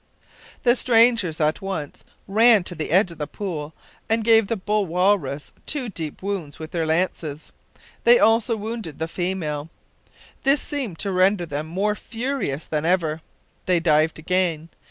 The strangers at once ran to the edge of the pool and gave the bull walrus two deep wounds with their lances. They also wounded the female. This seemed to render them more furious than ever. They dived again.